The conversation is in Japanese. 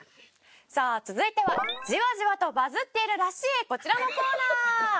さあ続いてはジワジワとバズっているらしいこちらのコーナー！